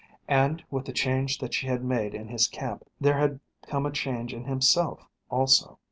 And with the change that she had made in his camp there had come a change in himself also.